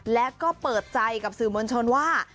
และก็เปิดใจกับสื่อมวลชนว่า